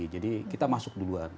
jadi kita masuk duluan